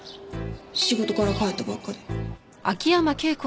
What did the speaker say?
仕事から帰ったばっかで。